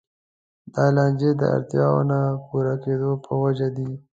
دا لانجې د اړتیاوو نه پوره کېدو په وجه دي.